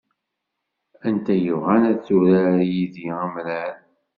Anta yebɣan ad turar yid-i amrar?